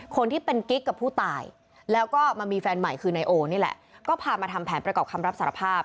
คนที่เป็นกิ๊กกับผู้ตายแล้วก็มามีแฟนใหม่คือนายโอนี่แหละก็พามาทำแผนประกอบคำรับสารภาพ